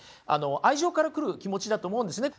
愛情から来る気持ちだと思うんですね。